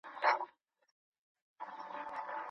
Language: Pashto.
لارښود باید په خپله موضوع کي پوره معلومات ولري.